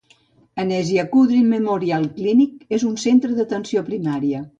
Anesia Kudrin Memorial Clinic és un centre d'atenció primària.